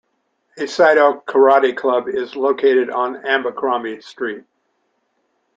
A Seido Karate club is located on Abercrombie Street.